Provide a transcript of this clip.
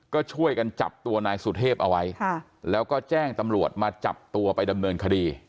ก็ช่วยกันจับตัวนายสุเทพเอาไว้แล้วก็แจ้งตำรวจมาจับตัวไปดำเนินคดี